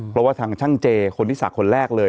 เพราะว่าทางช่างเจคนที่ศักดิ์คนแรกเลย